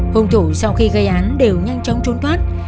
hùng thủ sau khi gây án đều nhanh chóng trốn thoát